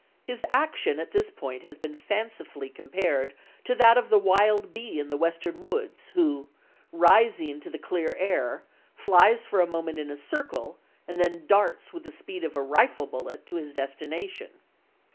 His action at this point has been fancifully compared to that of the wild bee in the Western woods, who, rising to the clear air, flies for a moment in a circle, and then darts with the speed of a rifle bullet to his destination.